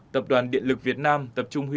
ba tập đoàn điện lực việt nam tập trung huyện